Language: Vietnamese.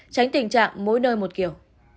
tránh tình trạng mỗi nơi một kiểu